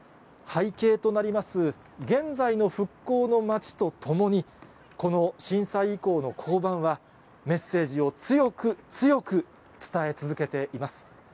背景となります現在の復興の街とともに、この震災遺構の交番は、メッセージを強く強く伝え続けています。